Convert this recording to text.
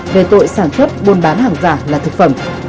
về tội sản xuất buôn bán hàng giả là thực phẩm